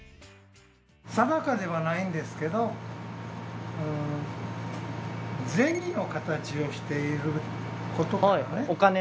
定かではないんですけど銭の形をしていることからね。